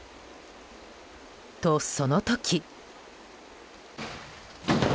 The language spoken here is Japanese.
と、その時。